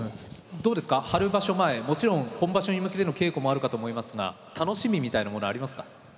どうですか春場所前もちろん本場所に向けての稽古もあるかと思いますが楽しみみたいなものありますか？